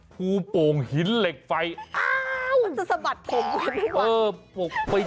จับไว้